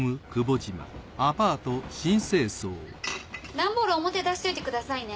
段ボール表出しといてくださいね。